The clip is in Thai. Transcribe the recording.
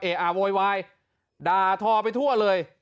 โวยวายด่าทอไปทั่วเลย